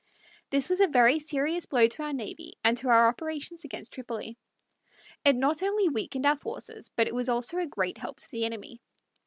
This was a very serious blow to our navy and to our operations against Tripoli. It not only weakened our forces, but it was also a great help to the enemy.